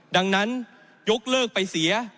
ดังนั้นยกเลิกไปเสีย